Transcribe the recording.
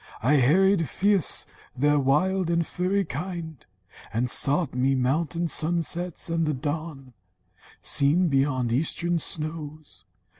I harried fierce their wild and furry kind, And sought me mountain sunsets, and the dawn, Seen beyond eastern snows.